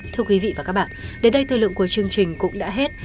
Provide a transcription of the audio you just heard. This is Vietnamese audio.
thưa quý vị và các bạn đến đây thời lượng của chương trình cũng đã hết